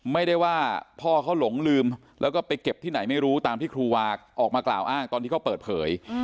ไม่ได้ว่าพ่อเขาหลงลืมแล้วก็ไปเก็บที่ไหนไม่รู้ตามที่ครูวาออกมากล่าวอ้างตอนที่เขาเปิดเผย